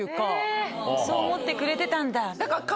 「そう思ってくれてたんだ」。